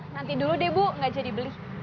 nanti dulu deh bu nggak jadi beli